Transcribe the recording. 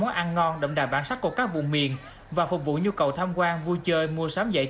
món ăn ngon đậm đà bản sắc của các vùng miền và phục vụ nhu cầu tham quan vui chơi mua sắm giải